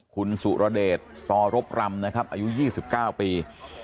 คุณสุรเดชตรบรำอายุ๒๙ปี